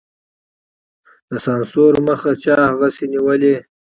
د سانسور مخه چا هغسې نېولې.